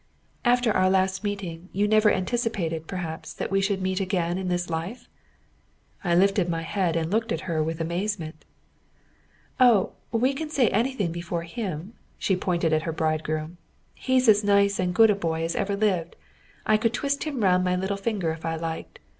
"After our last meeting you never anticipated, perhaps, that we should meet again in this life?" I lifted my head and looked at her with amazement. "Oh! we can say anything before him" (here she pointed at her bridegroom). "He's as nice and good a boy as ever lived. I could twist him round my little finger if I liked.